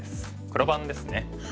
黒番ですね。